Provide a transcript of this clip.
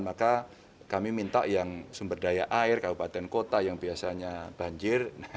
maka kami minta yang sumber daya air kabupaten kota yang biasanya banjir